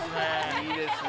いいですね